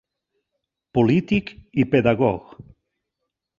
Polític i pedagog.